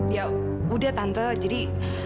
ya udah tante jadi